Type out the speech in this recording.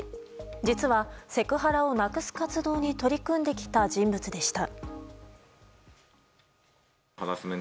実はセクハラをなくす活動に取り組んできた人物でした。